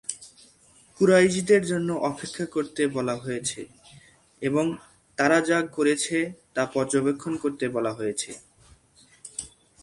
কুরাইশের জন্য অপেক্ষা করতে বলা হয়েছে এবং তারা যা করছে তা পর্যবেক্ষণ করতে বলা হয়েছে।